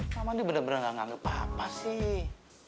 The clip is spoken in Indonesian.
mama nih bener bener gak nganggep papa sih